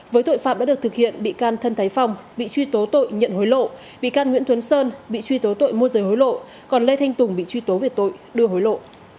với tội phạm đã được thực hiện bị can thân thái phòng bị truy tố tội nhận hối lộ bị can nguyễn thuấn sơn bị truy tố tội môi rời hối lộ còn lê thanh tùng bị truy tố về tội đưa hối lộ